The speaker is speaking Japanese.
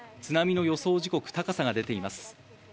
津波の予想時刻、高さが出ています。